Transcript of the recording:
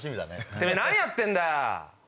てめぇ何やってんだよ？